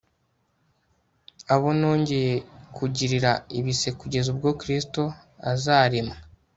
abo nongeye kugirira ibise kugeza ubwo Kristo azaremwa